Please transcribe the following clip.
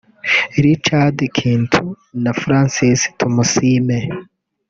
Richard Kintu na Francis Tumusiime